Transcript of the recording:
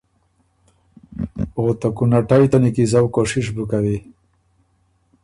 او ته کُونَټئ ته نیکیزؤ کوشش بُو کوی۔